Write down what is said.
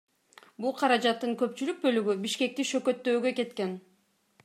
Бул каражаттын көпчүлүк бөлүгү Бишкекти шөкөттөөгө кеткен.